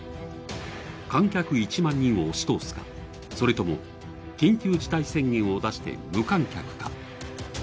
観客１万人を押し通すか、それとも緊急事態宣言を出して無観客か。